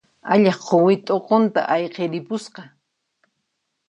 Allaq quwi t'uqunta ayqiripusqa.